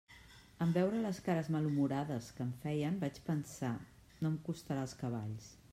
En veure les cares malhumorades que em feien, vaig pensar: no em costarà els cavalls.